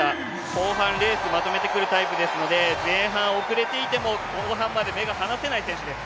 後半、レースをまとめてくるタイプですので、前半遅れていても後半まで目が離せない選手です。